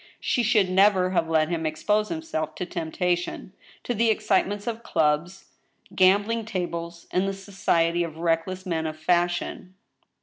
She should never have let him expose himself to temptation, to the excitements of clubs, gambling tables, and the society of reckless men of fashion.